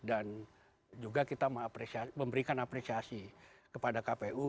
dan juga kita memberikan apresiasi kepada kpu